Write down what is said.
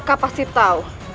raka pasti tahu